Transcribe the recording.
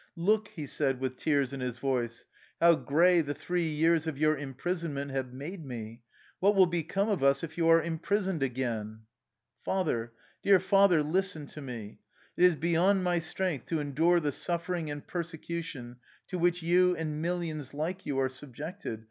" Look," he said with tears in his voice, '' how gray the three years of your imprisonment have made me. What will become of us if you are imprisoned again?" " Father, dear Father, listen to me. It is be yond my strength to endure the suffering and persecution to which you and millions like you are subjected.